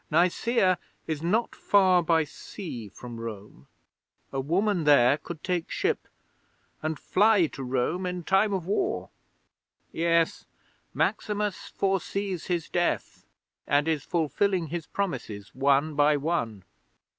"Nicaea is not far by sea from Rome. A woman there could take ship and fly to Rome in time of war. Yes, Maximus foresees his death, and is fulfilling his promises one by one.